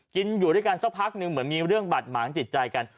กินอยู่ด้วยกันสักพักหนึ่งเหมือนมีเรื่องบาดหมางจิตใจกัน